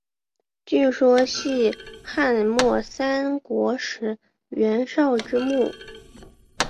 据说系汉末三国时袁绍之墓。